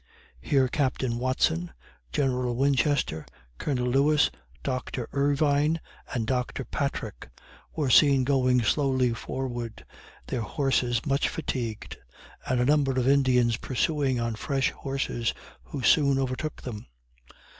Here Captain Watson, General Winchester, Colonel Lewis, Doctor Ervine and Doctor Patrick, were seen going slowly forward, their horses much fatigued, and a number of Indians pursuing on fresh horses, who soon overtook them.